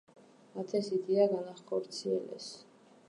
მათ ეს იდეა განახორციელეს.